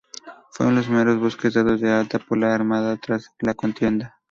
Fueron los primeros buques dados de alta por la armada tras la contienda.